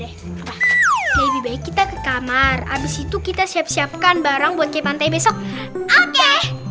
lebih baik kita ke kamar habis itu kita siap siapkan barang buat ke pantai besok oke